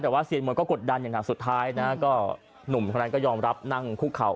แต่ว่าเซียนมวยก็กดดันอย่างหนักสุดท้ายนะก็หนุ่มคนนั้นก็ยอมรับนั่งคุกเข่า